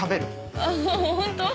あホント？